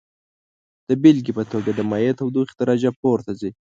د بیلګې په توګه د مایع تودوخې درجه پورته ځي.